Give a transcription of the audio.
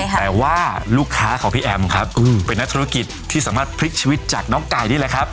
แต่ว่าลูกค้าของพี่แอมครับเป็นนักธุรกิจที่สามารถพลิกชีวิตจากน้องไก่นี่แหละครับ